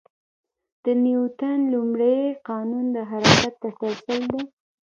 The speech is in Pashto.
د نیوتن لومړی قانون د حرکت تسلسل دی.